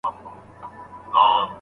شواهد د څېړنې په اړه کمزوري دي.